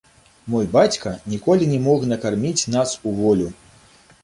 Мой бацька ніколі не мог накарміць нас уволю.